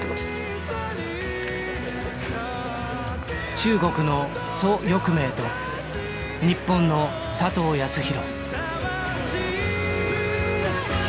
中国の蘇翊鳴と日本の佐藤康弘。